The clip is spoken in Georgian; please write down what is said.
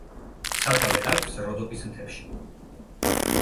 სათავე აქვს როდოპის მთებში.